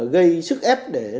gây sức ép để